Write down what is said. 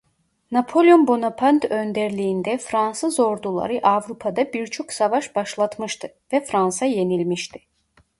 Napolyon Bonapart önderliğinde Fransız orduları Avrupa'da birçok savaş başlatmıştı ve Fransa yenilmişti.